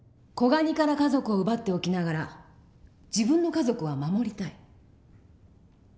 子ガニから家族を奪っておきながら自分の家族は守りたい。